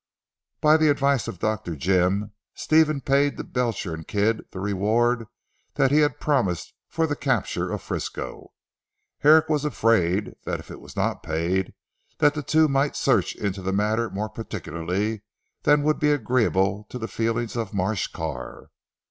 By the advice of Dr. Jim, Stephen paid to Belcher and Kidd the reward that he had promised for the capture of Frisco. Herrick was afraid that if it was not paid that the two might search into the matter more particularly than would be agreeable to the feelings of Marsh Carr.